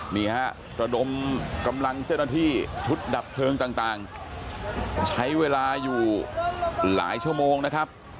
นี่ฮะระดมกำลังเจ้าหน้าที่ชุดดับเพลิงต่างใช้เวลาอยู่หลายชั่วโมงนะครับ